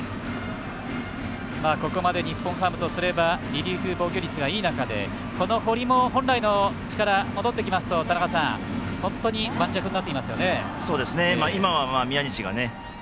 ここまで日本ハムとすればリリーフ防御率がいい中で堀も本来の力、戻ってきますと田中さん、本当に盤石になってきますよね。